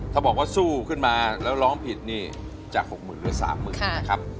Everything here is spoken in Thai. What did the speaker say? ถ้าบอกว่าสู้ขึ้นมาแล้วร้องผิดเนี่ยจะหกหมื่นหรือสามหมื่นครับ